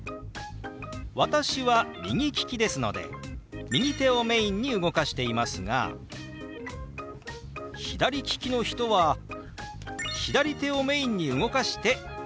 私は右利きですので右手をメインに動かしていますが左利きの人は左手をメインに動かしてＯＫです。